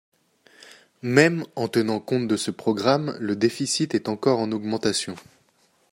Même en tenant compte de ce programme, le déficit est encore en augmentation.